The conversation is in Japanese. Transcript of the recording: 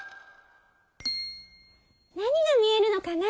何が見えるのかな？